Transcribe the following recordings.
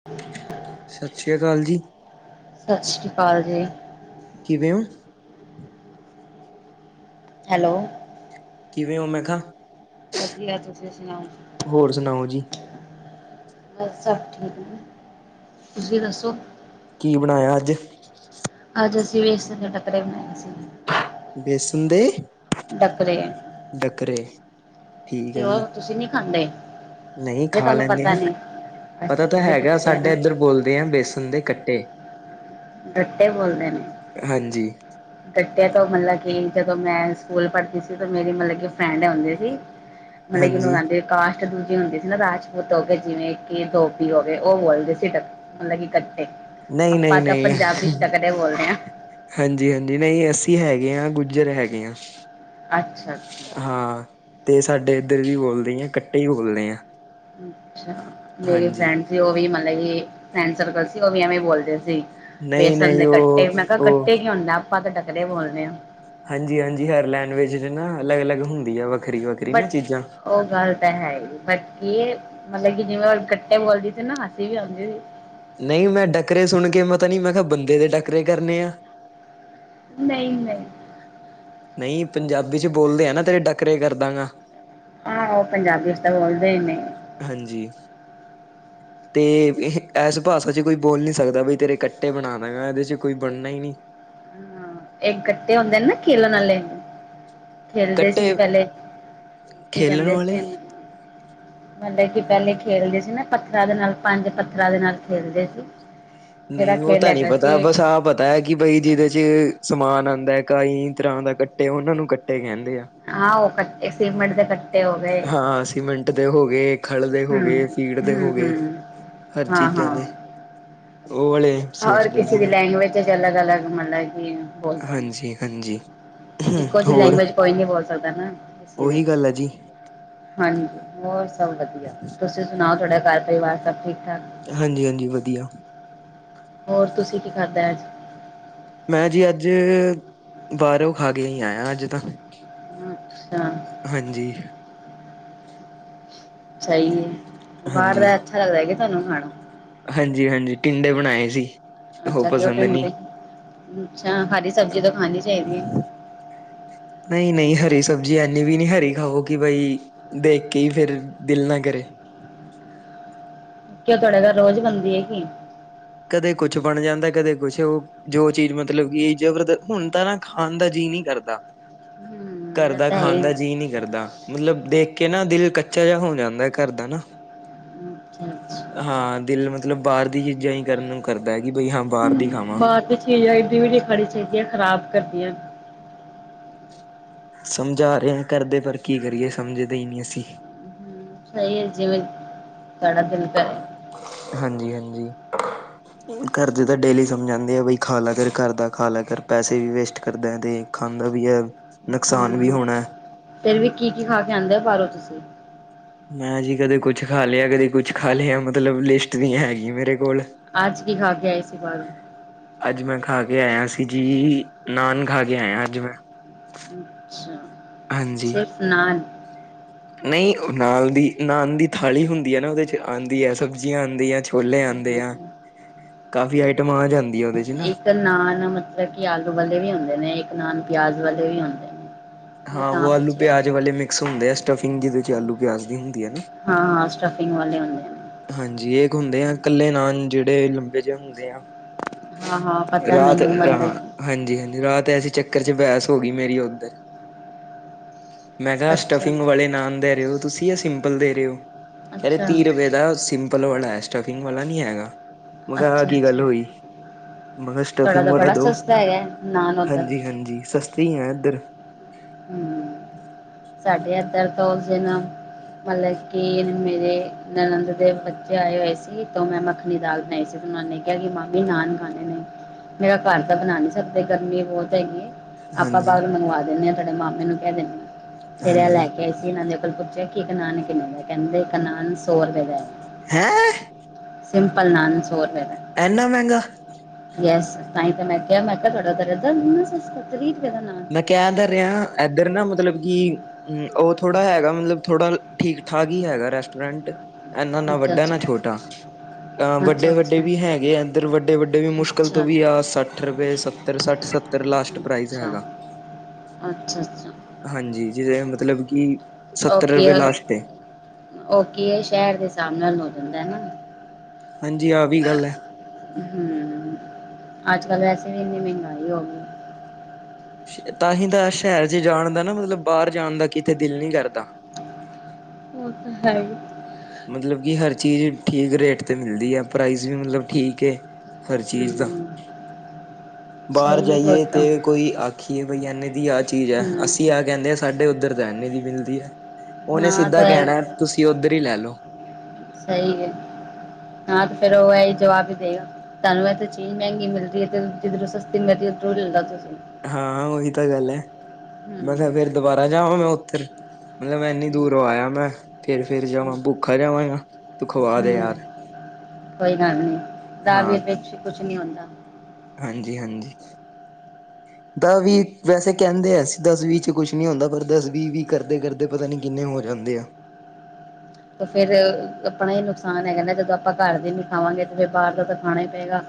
[unintelligible] ਸਸ਼ ਸ਼੍ਰੀ ਅਕਾਲ ਜੀ। ਸਤਿ ਸ਼੍ਰੀ ਅਕਾਲ ਜੀ। ਕਿਵੇਂ ਓ? ਹੈਲੋ। ਕਿਵੇਂ ਓ, ਮੈਂ ਖਾ? ਵਧੀਆ, ਤੁਸੀਂ ਸੁਣਾਓ? ਹੋਰ ਸੁਣਾਓ ਜੀ ਬਸ ਸਭ ਠੀਕ ਨੇ, ਤੁਸੀਂ ਦੱਸੋ? ਕੀ ਬਣਾਇਆ ਅੱਜ? ਅੱਜ ਅਸੀਂ ਵੇਸਣ ਦੇ ਟਕਰੇੇ ਬਣਾਏ ਸੀ। ਬੇਸਣ ਦੇ ਡੱਕਰੇ। ਡੱਕਰੇ, ਠੀਕ ਹੈ ਜੀ। ਤੁਸੀ ਨੀ ਖਾਂਦੇ? ਨਹੀਂ ਜੇ ਖਾ ਤੁਹਾਨੂੰ ਲੈਂਨੇ ਪਤਾ ਆ, ਨੀ। ਅੱਛਾ ਪਤਾ ਤਾ ਤੁਸੀਂ ਹੈਗਾ ਪੁੱਛਿਆ ਨਾ। ਸਾਡੇ ਇੱਧਰ ਬੋਲਦੇ ਆ ਬੇਸਨ ਦੇ ਕੱ ਤੇ ਡੱਟੇ ਬੋਲਦੇ ਨੇ। ਕੱਟਿਆ ਤੋਂ ਮਤਲਬ ਕਿ, ਜਦੋਂ ਮੈਂ ਸਕੂਲ ਪੜ੍ਹਦੀ ਸੀ ਤਾਂ ਮੇਰੀ ਮਤਲਬ ਕਿ ਫਰੈਂਡ ਹੋਂਦੀ ਸੀ। ਹ। [inaudible] ਮਤਲਬ ਕਿ ਇਹਨੂੰ ਕਹਿੰਦੇ, ਕਾਸ਼ ਦੂਜੀ ਹੁੰਦੀ ਸੀ ਨਾ ਰਾਜਪੂਤ ਹੋ ਗਏ ਜਿਵੇਂ ਕਿ, ਧੋਬੀ ਹੋਗੇ, ਉਹ ਬੋਲਦੇ ਸੀ ਮਲਬ ਕਿ, ਗੱਟੇ ਆਪਾਂ ਤਾਂ ਨਹੀਂ-ਨਹੀਂ-ਨਹੀਂ। ਪੰਜਾਬੀ ਚ ਡੱਕਰੇ ਬੋਲਦੇ ਹਾਂ। ਹਾਂਜੀ-ਹਾਂਜੀ, ਨਹੀਂ ਅਸੀਂ ਹੈਗੇ ਆਂ, ਗੁੱਜਰ ਹੈਗੇ ਆਂ। ਅੱਛਾ ਅੱਛਾ ਹਾਂ, ਤੇ ਸਾਡੇ ਇੱਧਰ ਵੀ ਬੋਲਦੇ ਆਂ, ਕੱਟੇ ਈ ਬੋਲਦੇ ਆ। ਅੱਛਾ, ਮੇਰੀ ਹਾਂਜੀ ਫਰੈਂਡ ਸੀ ਉਹ ਵੀ ਮਤਲਬ ਕਿ ਫਰੈਂਡ ਸਰਕਲ ਸੀ, ਓ ਵੀ ਐਵੇਂ ਬੋਲਦੇ ਸੀ। ਨਹੀਂ ਬੇਸਣ ਨਹੀਂ ਦੇ ਕੱਟੇ, ਉਹ ਮੈਂ ਕਿਹਾ ਉਹ ਗੱਟੇ ਕੀ ਹੁੰਦਾ ਆਪਾਂ ਤਾਂ ਡੱਕਰੇ ਬੋਲਦੇ ਆਂ। ਹਾਂਜੀ-ਹਾਂਜੀ, ਹਰ ਲੈਂਗਵੇਜ ਨਾ ਅਲੱਗ-ਅਲੱਗ ਹੁੰਦੀ ਆ ਵ ਬਟ ਓ ਗੱ ਤਾਂ ਹੈਈ ਬਾਕੀ ਏ, ਮਤਲਬ ਕਿ ਜਿਵੇਂ ਕੱਟੇ ਬੋਲਦੀ ਸੀ ਨਾ ਅਸੀ ਵੀ ਆਉਂਦੀ ਨਹੀਂ, ਮੈਂ ਡੱਕਰੇ ਸੁਣਕੇ ਪਤਾ ਨੀ ਮੈਂ ਕਿਹਾ ਬੰਦੇ ਦੇ ਡੱਕਰੇ ਕਰਨੇ ਆ। ਨਹੀਂ-ਨਹੀਂ। ਨਹੀਂ ਪੰਜਾਬੀ'ਚ ਬੋਲਦੇ ਆਂ, ਨਾ ਤੇਰੇ ਡੱਕਰੇ ਕਰਦਾਂਗਾ। ਆਹੋ, ਪੰਜਾਬੀ'ਚ ਤਾ ਬੋਲਦੇ ਈ ਨੇ। ਹਾਂਜੀ। ਤੇ ਇਸ ਭਾਸ਼ਾ'ਚ ਕੋਈ ਬੋਲ ਨੀ ਸਕਦਾ, ਬਈ ਤੇਰੇ ਕੱਟੇ ਬਣਾ ਦਾਂਗਾ ਇਹਦੇ'ਚ ਕੋਈ ਬਣਨਾ ਈ ਨਹੀਂ। ਇਕ ਗੱਟੇ ਹੁੰਦੇਨ ਨਾ, ਕੀਲਨ ਆਲੇ। ਖੇਲਦੇ ਸੀ ਕੱਟੇ ਪਹਿਲੇ, ਕੀ ਖੇਲਣ ਕਹਿੰਦੇ ਵਾਲੇ ਸੀ? ਮਤਲਬ ਕਿ ਪਹਿਲੇ ਖੇਲਦੇ ਸੀ ਨਾ ਪੱਥਰਾਂ ਦੇ ਨਾਲ, ਪੰਜ ਪੱਥਰਾ ਦੇ ਨਾਲ ਖੇਲਦੇ ਸੀ। ਜਿਹੜਾ ਨਹੀਂ ਉਹ ਖੇਲ ਤਾਂ ਨਹੀਂ ਹੈਗਾ ਸੀ ਪਤਾ, ਬਸ ਆਹ ਪ ਪਤਾ ਐ ਕਿ ਬਈ ਜਿਹਦੇ'ਚ ਸਮਾਨ ਆਂਦਾ, ਕਾਂਈ ਤਰ੍ਹਾਂ ਦਾ ਗੱਟੇ, ਉਹਨਾਂ ਨੂੰ ਗੱਟੇ ਕਹਿੰਦੇ ਆ। ਹਾਂ, ਉਹ ਗੱਟੇ ਸੀਮੇਂਟ ਦੇ ਗੱਟ ਹਾਂ, ਸੀਮੰਟ ਦੇ ਹੋਗੇ ਖਲ ਦੇ ਹਮ ਹੋਗੇ, ਫੀੜ ਦੇ ਹਮ ਹੋਗੇ, ਹਮ ਹਰ ਹਾਂ ਚੀਜ਼ਾਂ ਹਾਂ ਦੇ। ਉਹ ਵਾਲੇ ਹਰ ਸੋਚਦਾ ਸੀ ਕਿਸੇ ਦੀ ਮੈਂ ਲੈਂਗਵੇਜ'ਚ ਅਲੱਗ-ਅਲੱਗ, ਮਤਲਬ ਕਿ ਬੋਲਦੇ ਨੇ। ਹਾਂਜੀ-ਹਾਂਜੀ ਇੱਕੋ ਜਿਹੀ ਹੋਰ ਲੈਂਗਵੇਜ ਕੋਈ ਨੀ ਬੋਲ ਸਕਦਾ ਨਾ, ਇਸੀ ਦੇ। ਉਹੀ ਗੱਲ ਹੈ ਜੀ। ਹਾਂਜੀ ਹੋਰ ਸਭ ਵਧੀਆ, ਤੁਸੀਂ ਸੁਣਾਓ ਤੁਹਾਡਾ ਘਰ-ਪਰਿਵਾਰ ਸਭ ਠੀਕ-ਠਾਕ? ਹਾਂਜੀ-ਹਾਂਜੀ, ਵਧੀਆ। ਹੋਰ, ਤੁਸੀ ਕੀ ਖਾਧਾ ਅੱਜ? ਮੈਂ ਜੀ ਅੱਜ, ਬਾਹਰੋਂ ਖਾਕੇ ਈ ਆਇਆ ਅੱਜ ਤਾਂ। ਅੱਛਾ। ਹਾਂਜੀ ਸਹੀ ਏ ਬਾਹਰ ਦਾ ਅੱਛਾ ਲੱਗਦੇ ਕਿ ਤੁਹਾਨੂੰ ਖਾਣਾ? ਹਾਂਜੀ ਹਾਂਜੀ, ਟਿੰਡੇ ਬਣਾਏ ਸੀ, ਉਹ ਅੱਛਾ ਘਿਓ ਪਸੰਦ ਨੀ ਟਿੰਡੇ ਅੱਛਾ, ਹਰੀ ਸਬਜ਼ੀ ਤੋ ਖਾਣੀ ਚਾਹੀਦੀ ਏ। ਨਈ ਨਈ ਹਰੀ ਸਬਜ਼ੀ ਐਨੀ ਵੀ ਨੀ ਹਰੀ ਖਾਓ ਕਿ ਬਈ ਦੇਖ ਕੇ ਈ ਫੇਰ ਦਿਲ ਨਾ ਕਰੇ। ਕਿਉਂ ਤੁਹਾਡੇ ਘਰ ਰੋਜ਼ ਬਨਦੀ ਐ ਕੀ? ਕਦੇ ਕੁਛ ਬਣ ਜਾਂਦੇ ਕਦੇ ਕੁਛ ਉਹ ਜੋ ਚੀਜ਼ ਮਤਲਬ ਕਿ ਜ਼ਬਰਦ ਹੁਨ ਤਾਂ ਨਾ ਖਾਨ ਦਾ ਜੀਅ ਨੀ ਕਰਦਾ। ਹੂ ਘਰ ਦਾ ਖਾਨ ਦਾ ਜੀਅ ਨੀ ਕਰਦਾ, ਮਤਲਬ ਦੇਖ ਕੇ ਨਾ ਦਿਲ ਕੱਚਾ ਜਿਹਾ ਹੋ ਜਾਂਦੇ ਘਰ ਦਾ ਨਾ। ਹਾਂ ਦਿਲ ਮਤਲਬ ਬਾਹਰ ਦੀ ਚੀਜ਼ਾਂ ਈ ਕਰਨ ਨੂੰ ਕਰਦਾ ਹੈ ਕਿ ਬਈ ਹਾਂ ਬਾਹਰ ਦੀ ਖਾਵਾਂ। ਬਾਕੀ ਚੀਜ਼ ਏਡੀ ਵੀ ਨੀ ਖਾਣੀਆਂ ਚਾਹੀਦੀਆਂ ਖਰਾਬ ਕਰਦੀਏ ਸਮਝਾ ਰਿਹਾਂ ਘਰਦੇ ਪਰ, ਕੀ ਕਰੀਏ ਸਮਝਦੇ ਈ ਨੀ ਅਸੀ। ਸਹੀ ਏ ਜਿਵੇਂ ਤੁਹਾਡਾ ਦਿਲ ਕਰੇ। ਹਾਂਜੀ ਹਾਂਜੀ ਘਰ ਦੇ ਤੇ ਡੇਲੀ ਸਮਝਾਂਦੇ ਆ ਬਈ ਖਾ ਲਾ ਕਰ ਘਰ ਦਾ ਖਾ ਲਾ ਕਰ ਪੈਸੇ ਵੀ ਵੇਸਟ ਕਰਦੇ ਤੇ ਖਾਂਦਾ ਵੀ ਏੈ ਨੁਕਸਾਨ ਵੀ ਹੋਣੇ ਫੇਰ ਵੀ ਕੀ ਕੀ ਖਾ ਕੇ ਆਂਦੇ ੳ ਬਾਹਰੋਂ ਤੁਸੀਂ? ਮੈਂ ਜੀ ਕਦੇ ਕੁਛ ਖਾ ਲਿਆ ਕਦੇ ਕੁਛ ਖਾ ਲਿਆ ਮਤਲਬ ਲਿਸਟ ਨੀ ਹੈਗੀ ਮੇਰੇ ਕੋਲ। ਅੱਜ ਕੀ ਖਾ ਕੇ ਆਏ ਸੀ ਬਾਹਰੋਂ? ਅੱਜ ਮੈਂ ਖਾ ਕੇ ਆਇਆ ਸੀ ਜੀ, ਨਾੱਨ ਖਾ ਕੇ ਆਇਆ ਅੱਜ ਮੈਂ। ਅੱਛਾ, ਹਾਂਜੀ ਸਿਰਫ ਨਾੱਨ। ਨਹੀਂ ੳ ਨਾਲ ਦੀ ਨਾਨ ਦੀ ਥਾਲੀ ਹੁੰਦੀ ਹੈ ਨਾ ਉਹਦੇ ਚ ਆਂਦੀ ਹੈ ਸਬਜ਼ੀਆਂ ਆਦੀਏ ਛੋਲੇ ਆਂਦੇ ਆ, ਕਾਫੀ ਆਈਟਮਾਂ ਆ ਜਾਂਦੀਆ ਉਹਦੇ ਚ। ਨਾ ਇੱਕ ਨਾਨ ਮਤਲਬ ਕਿ ਆਲੂ ਵਾਲੇ ਵੀ ਹੁੰਦੇ ਨੇ, ਇੱਕ ਨਾਨ ਪਯਾਜ ਵਾਲੇ ਵੀ ਹੁੰਦੇ ਨੇ। ਮੈਂ ਹਾਂ, ਓ ਤਾਂ ਆਲੂ ਪੁੱਛਿਆ ਪੇਯਾਜ ਵਾਲੇ ਮਿਕਸ ਹੁੰਦੇ ਆ ਸਟਫਿੰਗ ਜਿਦੇ ਚ ਆਲੂ ਪਯਾਜ ਦੀ ਹੁੰਦੀ ਐ ਨਾ ਹਾਂ-ਹਾਂ ਸਟਫਿੰਗ ਵਾਲੇ ਹੁੰਦੇ ਆ ਹਾਂਜੀ, ਏਕ ਹੁੰਦੇ ਆ ਕੱਲੇ ਨਾੱਨ ਜਿਹੜੇ ਲੰਬੇ ਜਿਹੇ ਹੁੰਦੇ ਆ। ਹਾਂ ਹਾਂ ਪਤਾ ਰਾਤ ਮੈਨੂੰ ਮਤਲਬ ਰਹਾਂ ਕਿ- ਹਾਂਜੀ, ਹਾਂਜੀ ਰਾਤ ਐਸੇ ਚੱਕਰ ਚ ਬੈਸ ਹੋ ਗੀ ਮੇਰੀ ਓੱਧਰ ਮੈਂ ਕੇਆ ਅੱਛਾ ਸਟਫਿੰਗ ਵਾਲੇ ਨਾਨ ਦੇ ਰੇ ਓ ਤੁਸੀ ਯਾ ਸਿੰਪਲ ਦੇ ਰੇ ਓ, ਕੈ ਰੇ ਅੱਛਾ ਤੀਹ ਰੁਪੇ ਕੈਂਦਾ ਸਿੰਪਲ ਵਾਲਾ ਐ, ਸਟਫਿੰਗ ਵਾਲਾ ਨੀ ਹੈਗਾ, ਮੈਂ ਖਾ ਆ ਅੱਛਾ ਕੀ ਗਲ ਹੋਈ। ਅੱਛਾ ਮੈਂ ਕੇਹਾ ਤੁਹਾਡਾ ਸਟਫਿੰਗ ਤਾਂ ਵਾਲਾ ਬੜਾ ਦੋ, ਸਸਤਾ ਹੈਗਾ ਨਾਨ ਹਾਂਜੀ-ਹਾਂਜੀ ਸਸਤੀ ਐਂ ਐੱਧਰ। ਹੂ ਸਾਡੇ ਐੱਧਰ ਤੋ ਓਸ ਦਿਨ ਮਤਲ ਕਿ ਮੇਰੇ ਨਨੰਦ ਦੇ ਬੱਚੇ ਆਏ ਹੋਏ ਸੀ, ਤੋ ਮੈਂ ਮੱਖਨੀ ਦਾਲ ਬਨਾਈ ਸੀ। ਓਨਾਂ ਨੇ ਕੇਆ ਕਿ ਮਾਮੀ ਨਾਨ ਖਾਨੇ ਨੇ, ਮੇਰਾ ਘਾਰ ਤਾ ਬਨਾ ਨੀ ਸਕਦੇ, ਗਰਮੀ ਬੋਤ ਹੈਗੀ ਏ। ਆਪਾਂ ਹਾਂਜੀ ਬਾਰੋਂ ਮੰਗਵਾ ਦੇਨੇ ਆਂ, ਤੁਆਡੇ ਮਾਮੇ ਨੂੰ ਕੈ ਦੇਨੀ ਆਂ। ਫੇਰ ਐ ਹਾਂਜੀ ਲੈਕੇ ਆਏ ਸੀ। ਏਨਾਂ ਦੇ ਕੋਲ ਪੁੱਛਯਾ ਕਿ ਇੱਕ ਨਾਨ ਕਿੰਨੇ ਦੇ? ਕੈਂਦੇ ਇੱਕ ਨਾਨ ਸੌ ਰੁਪੇ ਦਾ ਐ। ਹੈਂ! ਸਿੰਪਲ ਨਾਨ ਸੌ ਰੁਪੇ ਦਾ ਐੱਨਾ ਮੈਂਗਾ ਯੈਸ, ਤਾਂਈ ਤੇ ਮੈਂ ਕੇਯਾ, ਮੈਂ ਕਾ ਤੁਆਡਾ ਏੱਦਾ ਏਨਾਂ ਸਸਤਾ ਤ੍ਰੀ ਰੁਪੇ ਦਾ ਨਾਨ ਕੈ ਤੇ ਰੇਆਂ, ਏੱਧਰ ਨਾ ਮਤਲਬ ਕਿ ਹੂੰ, ਉਹ ਥੋੜਾ ਹੈਗਾ, ਮਤਲਬ ਥੋੜਾ ਠੀਕ-ਠਾਕ ਈ ਹੈਗਾ ਰੈਸਟੋਰੈਂਟ ਐਨਾਂ ਨਾ ਅੱਛਾ ਵੱਡਾ, ਨਾ ਅੱਛਾ ਛੋਟਾ ਅ ਅੱਛਾ ਵੱਡੇ-ਵੱਡੇ ਅੱਛਾ ਵੀ ਹੈਗੇ ਆ ਇਧਰ, ਵੱਡੇ-ਵੱਡੇ ਵੀ ਮੁਸ਼ਕਿਲ ਅੱਛਾ ਤੋਂ ਵੀ ਆ ਸ ਅੱਠ ਰੁਪਏ, ਸੱਤਰ-ਸਾਠ, ਸੱਤਰ ਲਾਸਟ ਪ੍ਰਾਈਜ਼ ਹੈਗਾ। ਅੱਛਾ-ਅੱਛਾ। ਹਾਂਜੀ, ਜਿਦੇ ਮਤਲਬ ਕਿ ਸੱਤਰ ਓਕੇ ਰੁਪਏ ਅ, ਲਾਸਟ ਏ ਓਕੇ ਐ ਸ਼ੈਰ ਦੇ ਸਾਬ ਨਾਲ ਹੋ ਜਾਂਦੈ ਨਾ ਹਾਂਜੀ, ਆ ਵੀ ਗੱਲ ਐ। ਹੂੰ, ਅੱਜ-ਕੱਲ ਵੈਸੇ ਵੀ ਏਨੀ ਮਹਿਗਾਈ ਹੋ ਗੀ। ਤਾਂਹੀ ਤਾਂ ਸ਼ਹਿਰ ਚ ਜਾਨ ਦਾ ਨਾ, ਮਤਲਬ ਬਾਹਰ ਜਾਨ ਦਾ ਕਿਤੇ ਦਿਲ ਨੀ ਕਰਦਾ। ਉਹ ਤਾ ਹੈ ਈ। ਮਤਲਬ ਕਿ ਹਰ ਚੀਜ਼ ਠੀਕ ਰੇਟ ਤੇ ਮਿਲਦੀ ਆ, ਪ੍ਰਾਈਜ਼ ਵੀ ਮਤਲਬ ਠੀਕ ਏ। ਹਰ ਚੀਜ਼ ਦਾ ਹਮ ਬਾਹਰ ਸਹੀ ਹੈ ਫਿਰ ਜਾਈਏ ਤੇ ਤਾਂ ਕੋਈ ਆ ਆਖੀਏ ਬਈ ਐਨੇ ਦੀ ਆ ਚੀਜ਼ ਐ, ਹਮ ਅਸੀ ਆ ਕਹਿੰਦੇ ਆ ਸਾਡੇ ਓਧਰ ਤਾਂ ਐਨੇ ਦੀ ਮਿਲਦੀ ਐ। ਓਨੇ ਹਾਂ ਸਿੱਧਾ ਤਾਂ ਇਹ ਕਹਿਣੈ, ਤੁਸੀ ਓਧਰ ਈ ਲੈ ਲੋ। ਸਈ ਹੇ, ਹਾਂ ਫੇਰ ਓ ਐਈ ਜਵਾਬ ਈ ਦੇਗਾ। ਤੁਹਾਨੂੰ ਐਥੋ ਚੀਜ਼ ਮੈਂਗੀ ਮਿਲਦੀ ਏ, ਤੇ ਜਿੱਧਰੋ ਸਸਤੀ ਮਿਲ ਰੀ, ਓਧਰੋਂ ਲੈਲੋ ਤੁਸੀ। ਹਾਂ, ਓਹੀ ਤਾ ਗੱਲ ਐ, ਹਮ ਮੈਂ ਕਾ ਫੇਰ ਦੁਬਾਰਾ ਜਾਵਾਂ ਮੈਂ ਓਥੇ ਮਲਤਬ ਮੈਂ ਏਨੀ ਦੂਰੋਂ ਆਯਾ ਮੈਂ ਫੇਰ-ਫੇਰ ਹਮ ਹਮ, ਜਾਵਾਂ ਭੁੱਖਾ ਜਾਵਾਂ ਯਾਂ ਤੂੰ ਖਵਾ ਦੇ ਹਮ ਯਾਰ [inaudible] ਕੋਈ ਗੱਲ ਨੀ ਦਾ ਵੀ ਰੁਪਏ ਵਿੱਚ ਕੁਛ ਨੀ ਹੁੰਦਾ ਹਾਂਜੀ-ਹਾਂਜੀ। ਦਾ ਵੀ ਵੈਸੇ ਕੈਂਦੇ ਅਸੀ ਦੱਸ ਵੀ ਚ ਕੁਛ ਨੀ ਹੁੰਦਾ, ਪਰ ਦਞਸ, ਵੀ-ਵੀ, ਕਰਦੇ-ਕਰਦੇ ਤੇ ਪਤਾ ਨੀ ਕਿੰਨੇ ਹੋ ਜਾਂਦੇ ਆ ਤੇ ਫੇਰ ਆਪਨਾ ਈ ਨੁਕਸਾਨ ਐ, ਕਹਿੰਦੇ ਜਦੋਂ ਆਪਾਂ ਘਰ ਦੇ ਨੀ ਖਾਵਾਂਗੇ ਤੇ ਫੇਰ ਬਾਰ ਦਾ ਤਾ ਖਾਨਾ ਈ ਪਏਗਾ।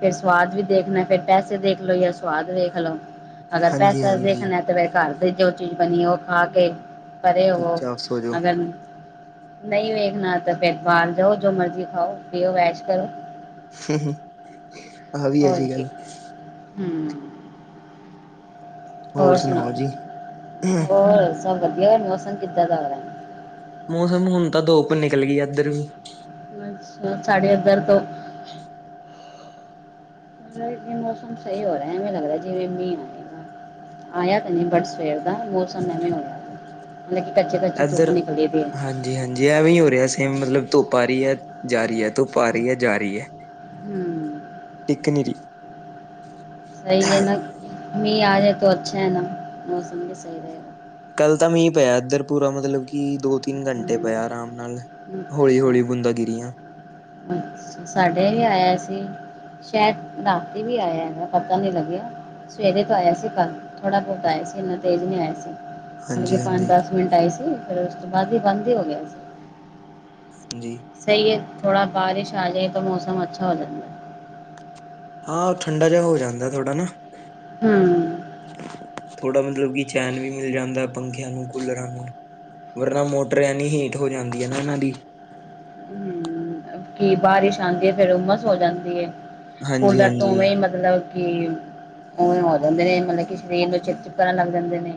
ਫੇਰ ਸਵਾਦ ਵੀ ਦੇਖਨੈ ਫੇਰ ਪੈਸੇ ਦੇਖ ਲੋ ਜਾ ਸਵਾਦ ਵੇਖ ਲੋ। ਅਗਰ ਹਾਂਜੀ ਪੈਸਾ ਹਾਂਜੀ ਦੇਖਨੈ ਤੇ ਫੇਰ ਘਾਰ ਦੇ ਜੋ ਚੀਜ਼ ਬਨੀ ਓ ਖਾ ਕੇ ਪਰੇ ਚੁੱਪ ਹੋਵੋ ਚਾਪ ਸੋ ਜਾਓ ਅਗਰ ਨਈ ਵੇਖਨਾ ਤਾ ਫੇਰ ਬਾਹਰ ਜਾਓ ਜੋ ਮਰਜ਼ੀ ਖਾਓ, ਪੀਓ ਐਸ਼ ਕਰੋ। [inaudible] ਹੋਰ ਕੀ, ਗੱਲ ਹੂੰ। ਹੋਰ ਸੁਣਾਓ ਸੁਨਾਓ, ਜੀ ਹੋਰ ਸਭ ਵਧੀਐ ਮੌਸਮ ਕਿੱਦਾ ਦਾ ਹੋ ਰੈ। ਮੌਸਮ ਹੁਣ ਤਾਂ ਧੁਪ ਨਿਕਲ ਗਈ ਇੱਧਰ ਵੀ। ਅੱਛਾ ਸਾਢੇ ਇਧਰ ਤੋਂ। ਮੌਸਮ ਸਹੀ ਹੋ ਰਿਹਾ ਐਵੇਂ ਲੱਗਦਾ ਜਿਵੇਂ ਮੀਹ ਆਏਗਾ। ਆਇਆ ਤਾਂ ਨਹੀਂ ਬਟ ਸਵੇਰ ਦਾ ਮੌਸਮ ਨਵੇਂ ਹੋਇ। ਲੇਕਿਨ ਕੱਚੇ-ਕੱਚੇ ਧੁੱਪ ਨਿਕਲੇ ਪਏ, ਜੀ ਹਾਂਜੀ ਐਵੇਂ ਹੀ ਹੋ ਰਿਹਾ ਸੇਮ ਮਤਲਬ ਧੁੱਪ ਆ ਰਹੀ ਹੈ ਜਾ ਰਹੀ ਹੈ ਧੁੱਪ ਆ ਰਹੀ ਹੈ ਜਾ ਰਹੀ ਹੈ। ਹੂੰ ਟਿਕ ਨੀ ਰੀ। ਸਹੀ ਹੈ ਨਾ ਮੀਂਹ ਆ ਜਾਏ ਤੋ ਅੱਛਾ ਹੈ ਨਾ ਮੌਸਮ ਵੀ ਸਹੀ ਰਹੇਗਾ। ਕੱਲ ਤਾਂ ਮੀਂਹ ਪਇਆ ਇੱਧਰ ਪੂਰਾ ਮਤਲਬ ਕਿ ਦੋ ਤਿੰਨ ਘੰਟੇ ਪਿਆ ਆਰਾਮ ਨਾਲ। ਹੌਲੀ ਹੌਲੀ ਬੂੰਦਾਂ ਗਿਰੀਆਂ ਅੱਛਾ-ਅੱਛਾ ਸਾਡੇ ਵੀ ਆਇਆ ਸੀ। ਸ਼ਾਇਦ ਰਾਤੀ ਵੀ ਆਇਆ ਹੈਗਾ ਪਤਾ ਨੀ ਲੱਗਿਆ। ਸਵੇਰੇ ਤਾਂ ਆਇਆ ਸੀ ਕੱਲ ਥੋੜ੍ਹਾ ਬਹੁਤ ਆਇਆ ਸੀ ਇੰਨਾ ਤੇਜ਼ ਨਹੀਂ ਆਇਆ ਸੀ। ਮਤਲਬ ਕਿ ਹਾਂਜੀ ਹਾਂਜੀ ਪੰਜ-ਦਸ ਮਿੰਟ ਆਏ ਸੀ ਫੇਰ ਉਸ ਤੋਂ ਬਾਅਦ ਈ ਬੰਦ ਈ ਹੋ ਗਿਆ ਸੀ। ਹਾਂਜੀ। ਸਈ ਏ ਥੋੜਾ ਬਾਰਿਸ਼ ਆ ਜਾਏ ਤਾਂ ਮੌਸਮ ਅੱਛਾ ਹੋ ਜਾਂਦਾ। ਹਾਂ ਓ ਠੰਡਾ ਜਾ ਹੋ ਜਾਂਦੈ ਥੋੜਾ ਨਾ। ਹੂੰ। ਥੋੜਾ ਮਤਲਬ ਕਿ ਚੈਨ ਵੀ ਮਿਲ ਜਾਂਦੈ ਪੱਖਿਆਂ ਨੂੰ, ਕੂਲਰਾਂ ਨੂੰ। ਵਰਨਾ ਮੋਟਰ ਐਨੀ ਹੀਟ ਹੋ ਜਾਂਦੀ ਏ ਨਾ ਏਨਾਂ ਦੀ। ਕਿ ਬਾਰਿਸ਼ ਆਂਦੀ ਏ ਫੇਰ ਉਮਸ ਹੋ ਜਾਂਦੀ ਏ, ਹਾਂਜੀ ਕੂਲਰ ਤੋਂ ਹਾਂਜੀ ਉਵੇਂ ਈ ਮਤਲਬ ਕਿ ਉਵੇਂ ਹੋ ਜਾਂਦੇ ਨੇ ਮਤਲਬ ਕਿ ਸਰੀਰ ਨੂੰ ਚਿਪ-ਚਿਪ ਕਰਨ ਲੱਗ ਜਾਂਦੇ ਨੇ।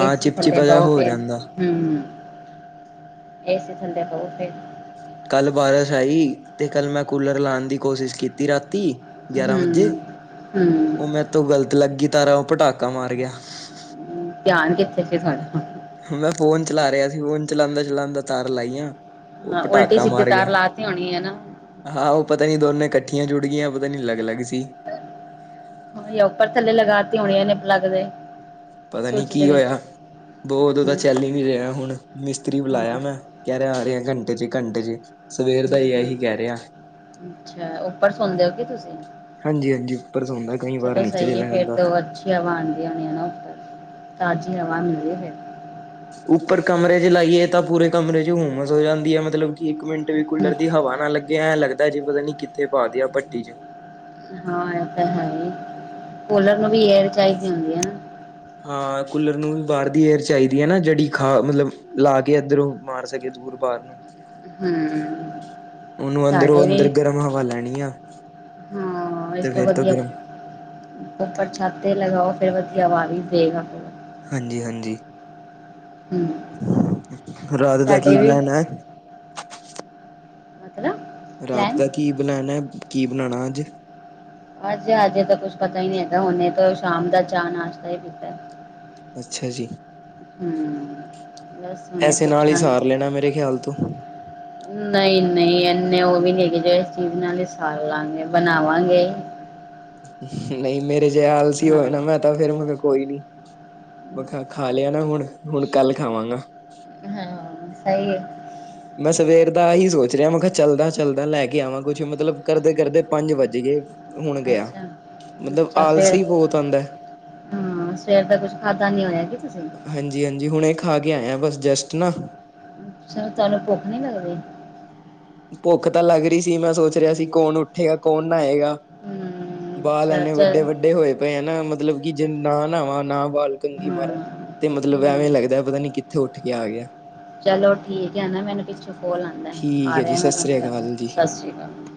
ਏ ਸੀ ਥੱਲੇ ਚਿਪਚਿਪਾ ਜਿਹਾ ਬੌ ਹੋ ਫਿਰ। ਜਾਂਦਾ ਹੂੰ, ਏ ਸੀ ਥੱਲੇ ਬੌ ਫਿਰ। ਕੱਲ ਬਾਰਿਸ਼ ਆਈ 'ਤੇ ਕੱਲ ਮੈਂ ਕੂਲਰ ਲਾਣ ਦੀ ਕੋਸ਼ਿਸ਼ ਕੀਤੀ ਰਾਤੀ ਗਿਆਰਾਂ ਹੂੰ ਵਜੇ, ਹੂੰ ਓ ਮੇਤੋਂ ਗ਼ਲਤ ਲਾਗੀ ਤਾਰਾ ਓ ਪਟਾਕਾ ਮਾਰ ਗਿਆ। ਧਿਆਨ ਕਿੱਥੇ ਸੀ ਸਾਡਾ? ਮੈਂ ਫੋਨ ਚਲਾ ਰੇਆ ਸੀ ਫੋਨ ਚਲਾਂਦਾ-ਚਲਾਂਦਾ ਤਾਰ ਲਾਈਆ। ਹਾਂ ਉਲਟੀ-ਸਿੱਧੀ ਤਾਰ ਲਾਤੀ ਹੋਣੀ ਹਨਾ। ਹਾਂ ਓ ਪਤਾ ਨੀ ਦੋਨੇ ਕੱਠੀਆਂ ਜੁੜਗੀਆ, ਪਤਾ ਨੀ ਅਲੱਗ-ਅਲੱਗ ਸੀ। ਯਾ ਉੱਪਰ-ਥੱਲੇ ਲਗਾਤੀ ਹੋਣੀ ਏਨੇ ਪਲੱਗ ਦੇ। ਪਤਾ ਨੀ ਸਵਿੱਚ ਦੇ ਕੀ ਵਿੱਚ ਉਇਆ ਦੋ-ਦੋ ਦਾ ਹੂੰ ਚੱਲ ਈ ਨੀ ਰੇਆ ਹੁਣ। ਮਿਸਤਰੀ ਹੂੰ ਬਲਾਇਆ ਮੈਂ ਕੈ ਰੇਆ ਆ ਰੇਆ ਘੰਟੇ 'ਚ ਈ ਘੰਟੇ 'ਚ ਸਵੇਰ ਦਾ ਈ ਏਹੀ ਹੂੰ ਕੈ ਰੇਆ। ਅੱਛਾ ਉੱਪਰ ਸੌਂਦੇ ਓ ਕੇ ਤੁਸੀਂ? ਹਾਂਜੀ-ਹਾਂਜੀ ਉੱਪਰ ਸੌਂਦਾ ਕਈ ਵਾਰ ਨੀਚੇ ਚਲਾ ਜਾਂਦਾ। ਕੇ ਅਵਾ ਆਂਦੀਆਂ ਨੇ ਨਾ ਉੱਪਰ, ਤਾਜ਼ੀ ਹਵਾ ਮਿਲਦੀ ਏ ਫੇਰ। ਉੱਪਰ ਕਮਰੇ 'ਚ ਲਾਈਏ ਤਾਂ ਪੂਰੇ ਕਮਰੇ 'ਚ ਈ ਹੂਮਸ ਹੋ ਜਾਂਦੀ ਏ ਮਤਲਬ ਕਿ ਇੱਕ ਮਿੰ ਟ ਵੀ ਕੂਲਰ ਦੀ ਹਵਾ ਨਾ ਲੱਗਿਆ ਐ ਲੱਗਦਾ ਜੀ ਪਤਾ ਨੀ ਕਿੱਥੇ ਪਾ ਦੇਆ ਭੱਟੀ 'ਚ। ਹਾਂ ਐ ਤਾਂ ਹੈ ਈ, ਕੂਲਰ ਨੂੰ ਵੀ ਏਅਰ ਚਾਈਦੀ ਹੁੰਦੀ ਏ ਨਾ। ਹਾਂ ਕੂਲਰ ਨੂੰ ਬਾਰ ਦੀ ਏਅਰ ਚਾਈਦੀ ਏ ਨਾ ਜੇੜੀ ਖਾ ਮਤਲਬ ਲਾ ਕੇ ਏਧਰੋਂ ਮਾਰ ਸਕੇ ਦੂਰ ਬਾਰ ਨੂੰ। ਹਮ ਉਨੂੰ ਅੰਦਰੋਂ ਸਾਡੇ ਵੀ ਅੰਦਰ ਗਰਮ ਹਵਾ ਲੈਣੀ ਆ। ਹਾਂ ਇਸ ਤੇ ਤੋਂ ਫੇਰ ਵਧੀਆ, ਗਰਮ ਉਪਰ-ਉਪਰ ਛੱਤ 'ਤੇ ਲਗਾਓ ਫੇਰ ਵਧੀਆ ਵਾਰੀ ਦੇਗਾ ਫੇਰ। ਹਾਂਜੀ-ਹਾਂਜੀ। ਹੂੰ। ਰਾਤ ਦਾ ਕੀ ਪਲੈਨ ਐ? ਮਤਲਬ। ਰਾਤ ਪਲੈਨ ਦਾ ਕੀ ਬਣਾਨੈ, ਕੀ ਬਣਾਣਾ ਅੱਜ? ਅੱਜ ਹਜੇ ਤਾਂ ਕੁਛ ਪਤਾ ਈ ਨੀ ਹੈਗਾ ਹੁਨੇ ਤੋਂ ਸ਼ਾਮ ਦਾ ਚਾ ਨਾਸ਼ਤਾ ਏ ਪੀਤਾ। ਅੱਛਾ ਜੀ, ਹਮ ਬਸ ਹੁਣੇ ਐਸੇ ਨਾਲ ਈ ਸਾਰ ਲੈਣਾ ਮੇਰੇ ਖਿਆਲ ਤੋਂ। ਨਈ-ਨਈ ਐਨੇ ਓ ਵੀ ਨੀ ਏਗੈ ਜੇੜੇ ਏਸ ਚੀਜ਼ ਨਾਲ ਏ ਸਾਰ ਲਾਂਗੇ, ਬਣਾਵਾਂਗੇ। ਨਈ ਮੇਰੇ ਜੇਆ ਆਲਸੀ ਹਾਂ ਹੋਏ ਨਾ ਮੈਂ ਤਾਂ ਫੇਰ ਮਗਰ ਕੋਈ ਨੀ। ਮਖਾ ਖਾ ਲਿਆ ਨਾ ਹੁਣ, ਹੁਣ ਕੱਲ ਖਾਵਾਂਗਾ। ਹਾਂ ਸਈ ਏ। ਮੈਂ ਸਵੇਰ ਦਾ ਆਹੀ ਸੋਚ ਰੇਆ ਮਖਾਂ ਚੱਲਦਾ-ਚੱਲਦਾ ਲੈ ਕੇ ਆਵਾਂ ਕੁਛ ਮਤਲਬ ਕਰਦੇ-ਕਰਦੇ ਪੰਜ ਵੱਜ ਗੇ। ਹੁਣ ਗਿਆ, ਅੱਛਾ ਮਤਲਬ ਅੱਛਾ ਸਵੇਰ ਆਲਸੀ ਬੋਤ ਆਂਦੈ। ਹਾਂ ਸਵੇਰ ਦਾ ਕੁਛ ਖਾਧਾ ਨੀ ਹੋਇਆ ਕੇ ਤੁਸੀਂ? ਹਾਂਜੀ-ਹਾਂਜੀ ਹੁਣੇ ਖਾ ਕੇ ਆਇਆ ਬਸ ਜਸਟ ਨਾ ਸੁਨੋ ਤੂਆਨੂੰ ਭੁੱਖ ਨੀ ਲੱਗਦੀ? ਭੁੱਖ ਤਾਂ ਲਾੱਗ ਰੀ ਸੀ, ਮੈਂ ਸੋਚ ਰੇਆ ਸੀ ਕੌਨ ਉੱਠ ਉਠੇਗਾ, ਕੌਨ ਨਾਏਗਾ ਹਮ ਬਾਲ ਅੱਛਾ ਐਨੇ ਚੱਲ ਵੱਡੇ-ਵੱਡੇ ਹੋਏ ਪੇਏਨ, ਮਤਲਬ ਕਿ ਜੇ ਨਾ ਨਾਵਾਂ, ਨਾ ਬਾਲ ਕੰਘੀ ਹਾਂ ਮਾਰਾ ਤੇ ਮ ਮਤਲਬ ਐਵੇਂ ਹਮ ਲੱਗਦੈ, ਪਤਾ ਨੀ ਕਿੱਥੇ ਉੱਠ ਕੇ ਆ ਗੇਆ। ਚਲੋ ਠੀਕ ਐ ਨਾ, ਮੈਨੂੰ ਪਿੱਛੋਂ ਕੋਲ ਆਂਦੈ, ਠੀਕ ਆ ਹੈ ਜੀ ਰੇਆ ਸਤਿ ਮੈਂ ਤੂਆਨੂੰ ਸ੍ਰੀ ਕਰਨੀ, ਅਕਾਲ ਜੀ। ਸਸ਼੍ਰੀ ਕਾਲ।